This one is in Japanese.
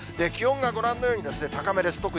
気温がご覧のように、高めです。